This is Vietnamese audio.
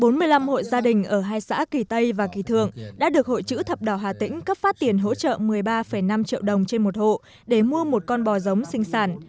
bốn mươi năm hộ gia đình ở hai xã kỳ tây và kỳ thượng đã được hội chữ thập đỏ hà tĩnh cấp phát tiền hỗ trợ một mươi ba năm triệu đồng trên một hộ để mua một con bò giống sinh sản